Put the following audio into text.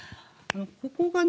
ここがね